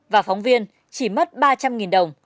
và phóng viên chỉ mất ba trăm linh đồng